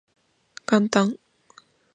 元旦